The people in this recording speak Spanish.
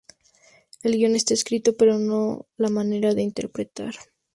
El guion está escrito pero no la manera de interpretar.